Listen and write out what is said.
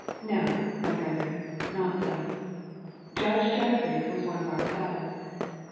No, my brethren, not so. Judge Jeffreys was one of ourselves.